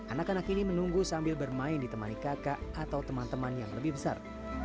anak anak ini menunggu sambil bermain ditemani kakak atau teman teman yang lebih besar